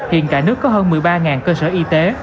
hiện cả nước có hơn một mươi ba cơ sở y tế